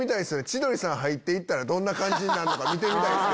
千鳥さん入って行ったらどんな感じになるか見てみたい。